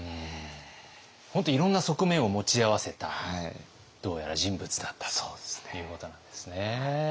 本当いろんな側面を持ち合わせたどうやら人物だったということなんですね。